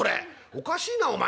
おかしいなお前。